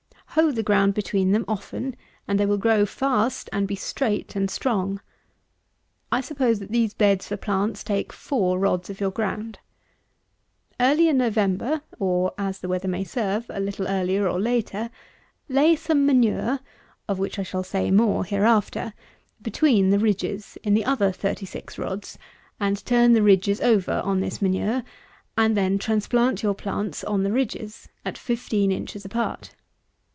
Hoe the ground between them often, and they will grow fast and be straight and strong. I suppose that these beds for plants take 4 rods of your ground. Early in November, or, as the weather may serve, a little earlier or later, lay some manure (of which I shall say more hereafter) between the ridges, in the other 36 rods, and turn the ridges over on this manure, and then transplant your plants on the ridges at 15 inches apart.